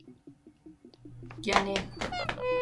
گنه